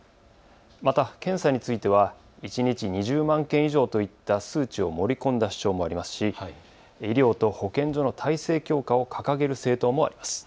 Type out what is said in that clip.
また検査については一日２０万件以上といった数値を盛り込んだ主張もありますし医療と保健所の体制強化を掲げる政党もあります。